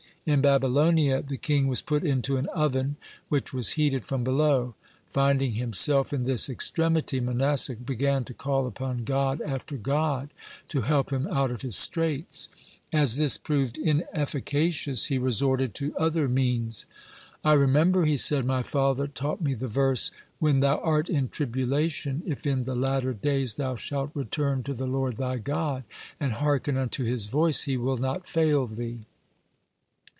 (106) In Babylonia, the king was put into an oven which was heated from below. Finding himself in this extremity, Manasseh began to call upon god after god to help him out of his straits. As this proved inefficacious, he resorted to other means. "I remember," he said, "my father taught me the verse: 'When thou art in tribulation, if in the latter days thou shalt return to the Lord thy God, and hearken unto His voice, He will not fail thee.'